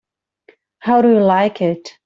How do you like it?